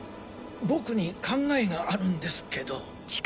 僕に考えがあるんですけど。